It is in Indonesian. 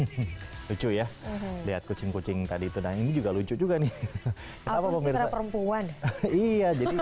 hai lucu ya lihat kucing kucing tadi itu dan ini juga lucu juga nih apa perempuan iya jadi